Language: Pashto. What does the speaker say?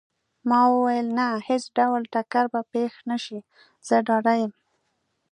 ما وویل: نه، هیڅ ډول ټکر به پېښ نه شي، زه ډاډه یم.